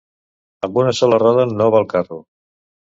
Amb una sola roda no va el carro.